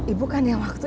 ibu kan yang waktu itu